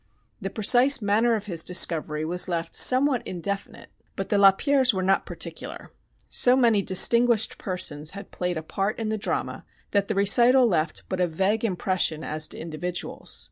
The precise manner of his discovery was left somewhat indefinite, but the Lapierres were not particular. So many distinguished persons had played a part in the drama that the recital left but a vague impression as to individuals.